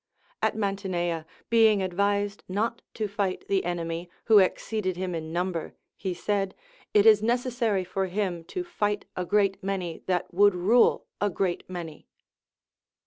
At Mantinea, being advised not to fight the enemy, who exceeded him in number, he said, It is necessary for him to fight a great many that would rule a great many.